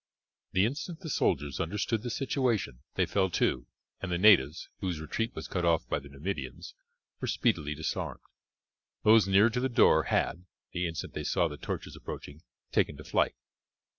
The instant the soldiers understood the situation they fell to, and the natives, whose retreat was cut off by the Numidians, were speedily disarmed; those nearer to the door had, the instant they saw the torches approaching, taken to flight.